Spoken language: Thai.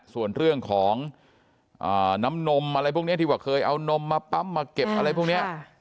ส่วนเรื่องของน้ำนมอะไรพวกนี้ที่ว่าเคยเอานมมาปั๊มมาเก็บอะไรพวกนี้